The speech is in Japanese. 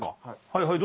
はいはい。